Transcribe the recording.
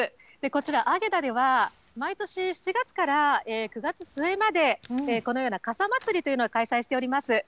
こちら、アゲダでは、毎年７月から９月末まで、このような傘祭りというのが開催しております。